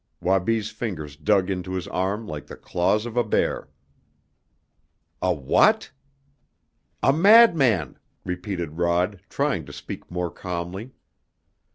Wabi's fingers dug into his arm like the claws of a bear. "A what!" "A madman!" repeated Rod, trying to speak more calmly.